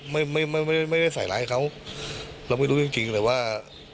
ไม่ได้ใส่ไลน์ให้เขาเราไม่รู้จริงแต่ว่า